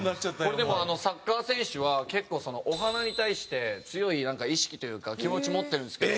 これでもサッカー選手は結構お花に対して強い意識というか気持ち持ってるんですけど。